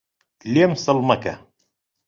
لێم سڵ مەکە